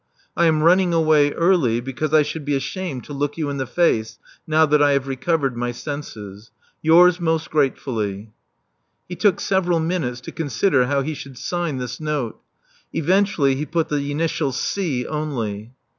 I am running away early because I should be ashamed to look you in the face now that I have recovered my senses. Yours most gratefully " He took several minutes to consider how he should sign this note. Eventually he put the initial C only.